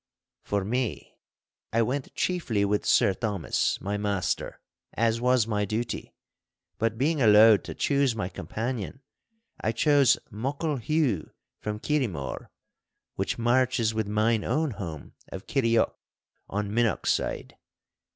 For me, I went chiefly with Sir Thomas, my master, as was my duty; but being allowed to choose my companion, I chose Muckle Hugh from Kirriemore, which marches with mine own home of Kirrieoch on Minnochside.